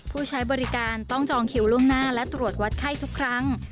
ผู้ใช้บริการต้องจองคิวล่วงหน้าและตรวจวัดไข้ทุกครั้ง